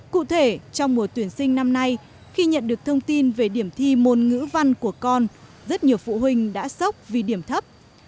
cụ thể trong mùa tuyển sinh năm nay khi nhận được thông tin về điểm thi môn ngữ văn của con rất nhiều phụ huynh đã sốc vì điểm thấp